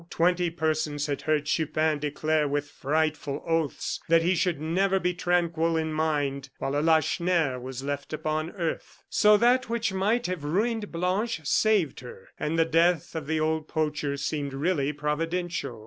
Twenty persons had heard Chupin declare, with frightful oaths, that he should never be tranquil in mind while a Lacheneur was left upon earth. So that which might have ruined Blanche, saved her; and the death of the old poacher seemed really providential.